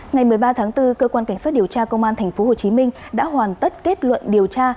ngày một mươi ba tháng bốn cơ quan cảnh sát điều tra công an tp hcm đã hoàn tất kết luận điều tra